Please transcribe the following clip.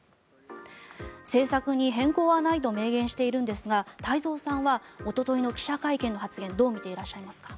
政策に変更はないと明言しているんですが太蔵さんはおとといの記者会見の発言をどう見ていらっしゃいますか。